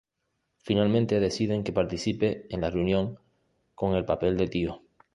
Finalmente deciden que participe en la reunión con el papel de "tío".